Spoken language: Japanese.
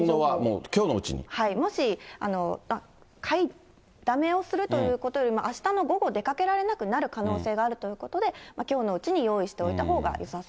もし、買いだめをするということよりも、あしたの午後出かけられなくなる可能性があるということで、きょうのうちに用意しておいたほうがよさそうです。